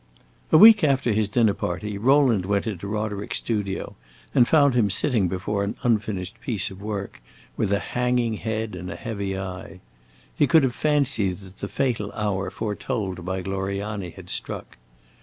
A week after his dinner party, Rowland went into Roderick's studio and found him sitting before an unfinished piece of work, with a hanging head and a heavy eye. He could have fancied that the fatal hour foretold by Gloriani had struck.